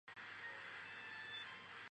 拉代斯特鲁斯。